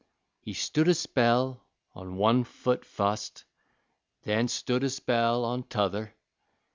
He stood a spell on one foot fust, Then stood a spell on t'other.